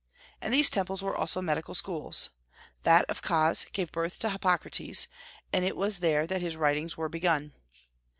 And these temples were also medical schools. That of Cos gave birth to Hippocrates, and it was there that his writings were begun.